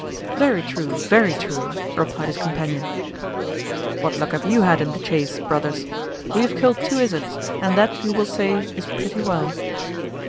"Very true, very true," replied his companion, "What luck have you had in the chace, brothers? We have killed two izards, and that, you will say, is pretty well."